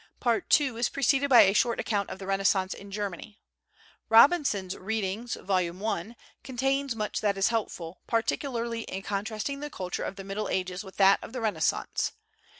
Part II. is preceded by a short account of the Renaissance in Germany. Robinson's "Readings," Vol I., contains much that is helpful, particularly in contrasting the culture of the Middle Ages with that of the Renaissance.